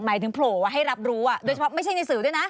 หมายถึงโผล่ว่าให้รับรู้โดยเฉพาะไม่ใช่ในสื่อด้วยนะ